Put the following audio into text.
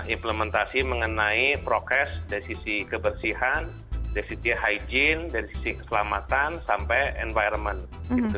implementasi mengenai prokes dari sisi kebersihan dari sisi hygiene dari sisi keselamatan sampai environment gitu